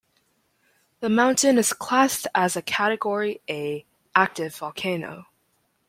The mountain is classed as a Category A active volcano.